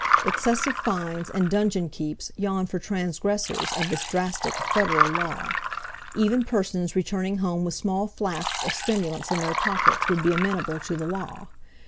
Excessive fines and dungeon keeps yawn for transgressors of this drastic Federal law. Even persons returning home with small flasks of stimulants in their pockets would be amenable to the law.